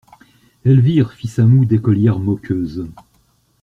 Elvire fit sa moue d'écolière moqueuse.